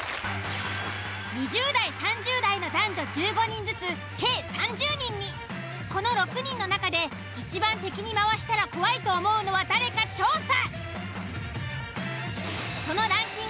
２０代３０代の男女１５人ずつ計３０人にこの６人の中で一番敵に回したら怖いと思うのは誰か調査！